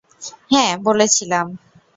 হ্যাঁ, বলেছিলাম!